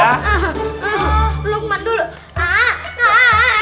aku lukman dulu